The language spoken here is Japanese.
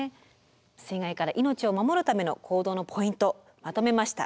水害から命を守るための行動のポイントまとめました。